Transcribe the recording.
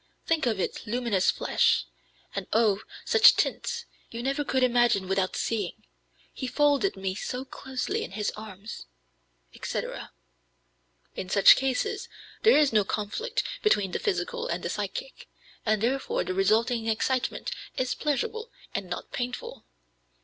Think of it, luminous flesh; and Oh! such tints, you never could imagine without seeing. He folded me so closely in his arms," etc. In such cases there is no conflict between the physical and the psychic, and therefore the resulting excitement is pleasurable and not painful.